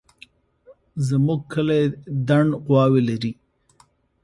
زموږ کلی دڼ غواوې لري